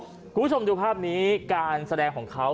คุณผู้ชมดูภาพนี้การแสดงของเขา